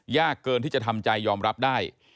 ยากเกินที่จะทำใจยอมรับได้